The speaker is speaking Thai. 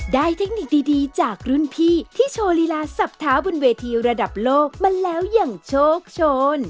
เทคนิคดีจากรุ่นพี่ที่โชว์ลีลาสับเท้าบนเวทีระดับโลกมาแล้วอย่างโชคโชน